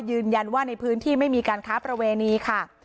ยืนยันว่าในพื้นที่ไม่มีการค้าประเวณีค่ะ